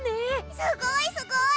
すごいすごい！